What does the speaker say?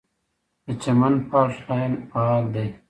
د چمن فالټ لاین فعال دی